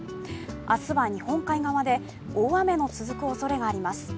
明日は日本海側で大雨の続くおそれがあります。